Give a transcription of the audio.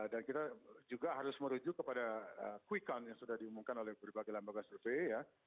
dan kita juga harus merujuk kepada qicon yang sudah diumumkan oleh berbagai lambang survei